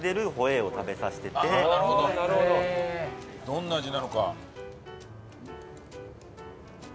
どんな味なのか？